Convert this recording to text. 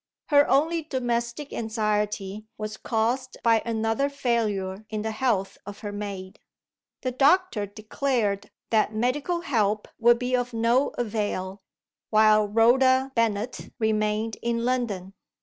Her only domestic anxiety was caused by another failure in the health of her maid. The Doctor declared that medical help would be of no avail, while Rhoda Bennet remained in London.